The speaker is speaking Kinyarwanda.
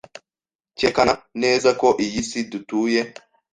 cyerekana neza ko iyi si dutuye